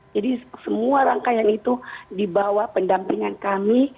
jadi semua rangkaian itu dibawah pendampingan kami